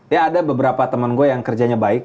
ya ada beberapa temen gue yang kerjanya baik